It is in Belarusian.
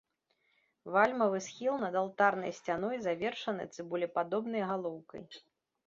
Вальмавы схіл над алтарнай сцяной завершаны цыбулепадобнай галоўкай.